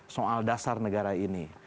soal dasar negara ini